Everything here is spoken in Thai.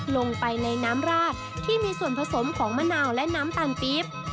ลงไปในน้ำราดที่มีส่วนผสมของมะนาวและน้ำตาลปี๊บ